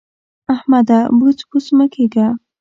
احمده! بوڅ بوڅ مه کېږه.